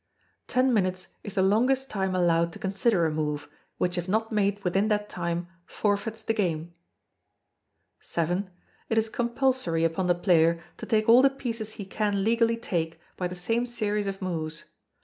Ten minutes is the longest time allowed to consider a move, which if not made within that time, forfeits the game. vii. It is compulsory upon the player to take all the pieces he can legally take by the same series of moves.